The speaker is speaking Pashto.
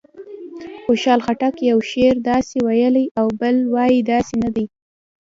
خوشحال خټک یو شعر داسې ویلی او بل وایي داسې نه دی.